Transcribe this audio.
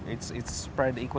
ini terkumpul secara berbeda